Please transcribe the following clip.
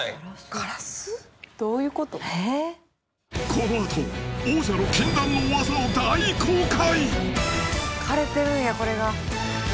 このあと王者の禁断の技を大公開！